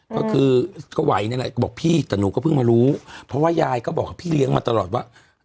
ก็คือก็ไหวนั่นแหละก็บอกพี่แต่หนูก็เพิ่งมารู้เพราะว่ายายก็บอกกับพี่เลี้ยงมาตลอดว่า